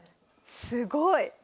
すごい。